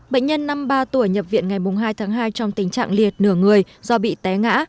bệnh nhân năm mươi ba tuổi nhập viện ngày hai tháng hai trong tình trạng liệt nửa người do bị té ngã